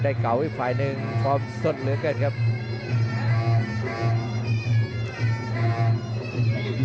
ไอ้เก๋าอีกฝ่ายหนึ่งพร้อมส่วนเนื้อเกิดครับ